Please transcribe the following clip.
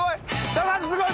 高橋すごい！